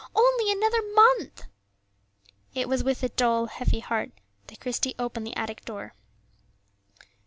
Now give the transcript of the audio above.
only another month! It was with a dull, heavy heart that Christie opened the attic door.